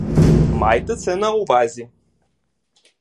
Майте це на увазі!